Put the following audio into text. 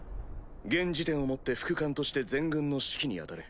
現時点をもって副官として全軍の指揮に当たれ。